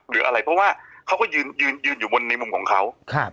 เพราะว่าเขาก็ยืนอยู่บนในมุมของเขา